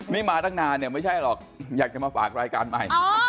นี่มาตั้งนานเนี่ยไม่ใช่หรอกอยากจะมาฝากรายการใหม่